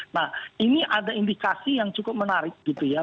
nah ini ada indikasi yang cukup menarik gitu ya